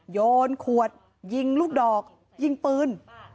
โยนขวดยิงลูกดอกยิงปืน